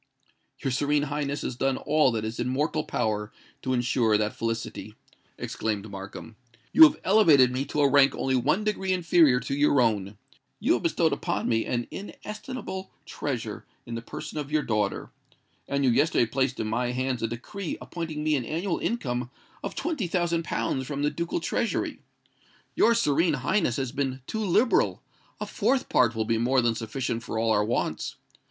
"Your Serene Highness has done all that is in mortal power to ensure that felicity," exclaimed Markham. "You have elevated me to a rank only one degree inferior to your own;—you have bestowed upon me an inestimable treasure in the person of your daughter;—and you yesterday placed in my hands a decree appointing me an annual income of twenty thousand pounds from the ducal treasury. Your Serene Highness has been too liberal:—a fourth part will be more than sufficient for all our wants.